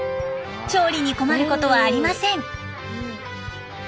調理に困ることはありません。